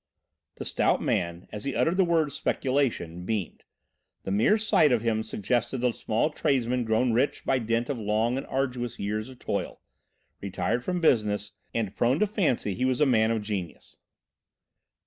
The stout man, as he uttered the word "speculation," beamed. The mere sight of him suggested the small tradesman grown rich by dint of long and arduous years of toil, retired from business and prone to fancy he was a man of genius.